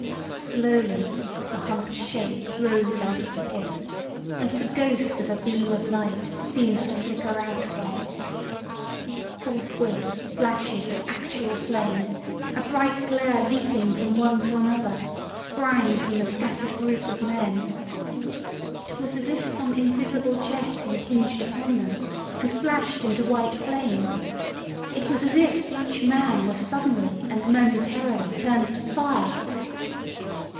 Slowly a humped shape rose out of the pit, and the ghost of a beam of light seemed to flicker out from it. Forthwith flashes of actual flame, a bright glare leaping from one to another, sprang from the scattered group of men. It was as if some invisible jet impinged upon them and flashed into white flame. It was as if each man were suddenly and momentarily turned to fire.